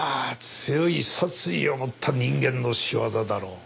強い殺意を持った人間の仕業だろう。